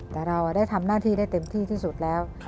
แต่เราได้ทำหน้าที่ได้เต็มที่ที่สุดแล้ว